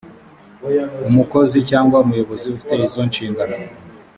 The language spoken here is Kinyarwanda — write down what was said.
umukozi cyangwa umuyobozi ufite izo nshingano